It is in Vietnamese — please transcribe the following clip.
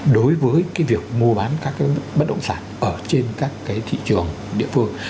đối với cái việc mua bán các cái bất động sản ở trên các cái thị trường địa phương